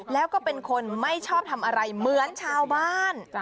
แล้วก็เป็นคนไม่ชอบทำอะไรเหมือนชาวบ้าน